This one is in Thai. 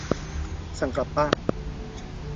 สั่งกลับบ้าน